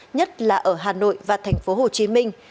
nhất là ở hà nội và thành phố hồ chí minh